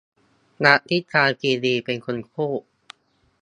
นักวิจารณ์ทีวี เป็นคนพูด